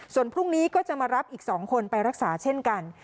ส่วนพรุ่งนี้ก็จะมารับอีก๒คนไปรักษาเช่นกัน